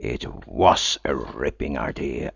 It was a ripping idea!